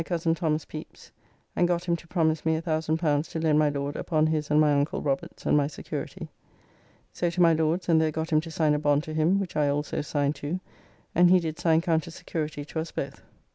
Tho. Pepys, and got him to promise me L1,000 to lend my Lord upon his and my uncle Robert's and my security. So to my Lord's, and there got him to sign a bond to him, which I also signed too, and he did sign counter security to us both.